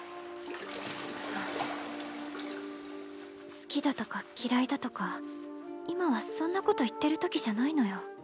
好きだとか嫌いだとか今はそんなこと言ってるときじゃないのよ。